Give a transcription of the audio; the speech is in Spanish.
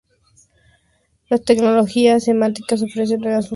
Las tecnologías semánticas ofrecen nuevas funciones.